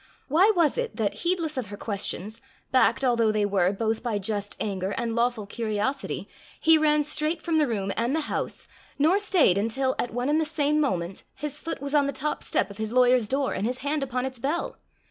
Why was it that, heedless of her questions, backed although they were both by just anger and lawful curiosity, he ran straight from the room and the house, nor stayed until, at one and the same moment, his foot was on the top step of his lawyer's door, and his hand upon its bell?